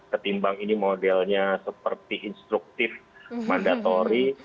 ketimbang ini modelnya seperti instruktif mandatori